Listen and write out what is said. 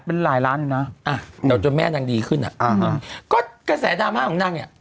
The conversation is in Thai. เป็นหลายร้านหนึ่งนะเอาจนแม่นางดีขึ้นน่ะก็กระแสดราม่าของนางเนี่ย